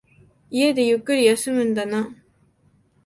家でゆっくり休むんだな。